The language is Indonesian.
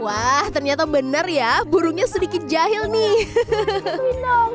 wah ternyata benar ya burungnya sedikit jahil nih